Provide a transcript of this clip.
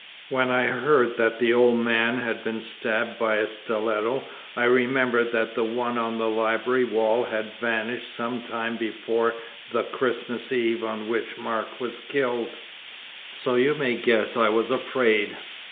When I heard that the old man had been stabbed by a stiletto I remembered that the one on the library wall had vanished some time before the Christmas Eve on which Mark was killed. So you may guess I was afraid."